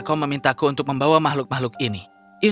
untuk memudahkan juice kita dari alam sebenarnya